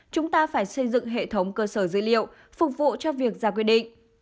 chúng ta phải xây dựng hệ thống cơ sở dữ liệu phục vụ cho việc ra quyết định